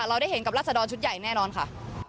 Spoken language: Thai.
ก็จะเป็นชุดใหญ่แน่นอนค่ะ